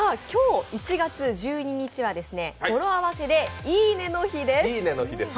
今日１月１２日は語呂合わせでいいねの日です。